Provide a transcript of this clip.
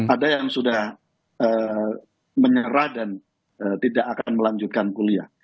ada yang sudah menyerah dan tidak akan melanjutkan kuliah